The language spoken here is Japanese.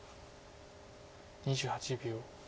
２８秒。